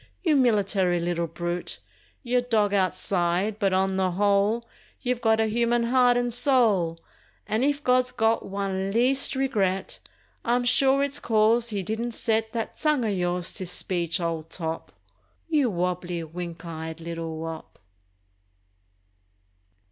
You military little brute, You're dog outside but on the whole You've got a human heart and soul And if God's got one least regret I'm sure it's cause he didn't set That tongue of yours to speech, old top— You wobbly, wink eyed little wop!